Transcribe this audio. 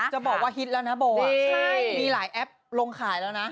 จะบอกว่าฮิตแล้วนะโบมีหลายแอปลงขายแล้วนะ